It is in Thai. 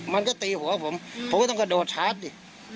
มันก็ตีหัวผมผมก็ต้องกระโดดชาร์จดิ